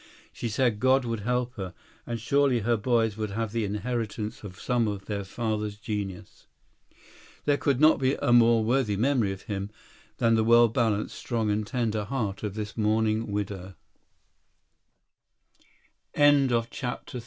She said God would help her, and surely her boys would have the inheritance of some of their father's genius. There could not be a more worthy memory of him than the well balanced, strong and tender heart of this mou